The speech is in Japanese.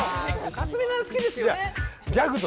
克実さん好きですよね？